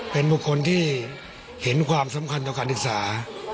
เป็นบุคคลที่เห็นความสำคัญต่อการศึกษา